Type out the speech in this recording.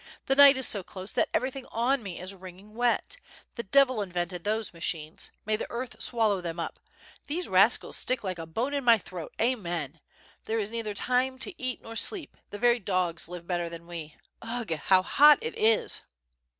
The night is so close that everything on me is wringing wet. The devil invented these machines. May the earth swallow them up. These rascals stick like a bone in my throat, amen! There is neither time to eat nor sleep, — the very dogs live better than we! Ugh! how hot it is!"